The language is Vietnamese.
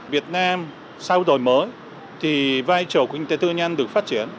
việt nam sau đời mới thì vai trò của kinh tế tư nhân được phát triển